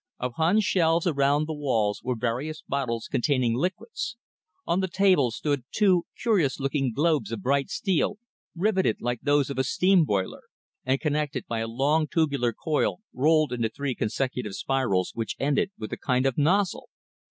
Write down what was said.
Upon shelves around the walls were various bottles containing liquids; on the table stood two curious looking globes of bright steel, riveted like those of a steam boiler, and connected by a long tubular coil rolled into three consecutive spirals which ended with a kind of nozzle.